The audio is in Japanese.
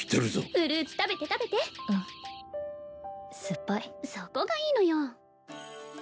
フルーツ食べて食べてうん酸っぱいそこがいいのよ